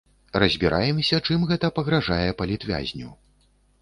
Разбіраемся, чым гэта пагражае палітвязню.